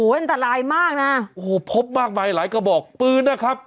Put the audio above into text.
อันตรายมากนะโอ้โหพบมากมายหลายกระบอกปืนนะครับ